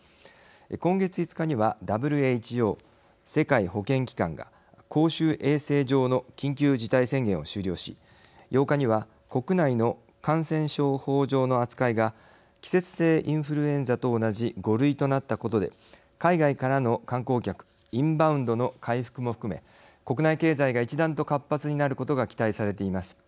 今月５日にはＷＨＯ世界保健機関が公衆衛生上の緊急事態宣言を終了し８日には国内の感染症法上の扱いが季節性インフルエンザと同じ５類となったことで海外からの観光客インバウンドの回復も含め国内経済が一段と活発になることが期待されています。